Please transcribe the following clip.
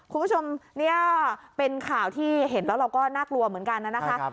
คุณผู้ชมนี่เป็นข่าวที่เห็นแล้วเราก็น่ากลัวเหมือนกันนะนะคะ